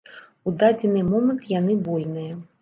У дадзены момант яны вольныя.